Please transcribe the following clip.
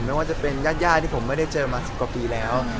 ไม่ว่าจะเป็นญาติที่ผมไม่ได้เจอมา๑๐กว่าปีแล้ว